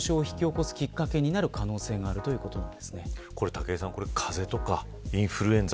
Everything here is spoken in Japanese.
武井さん風邪とかインフルエンザ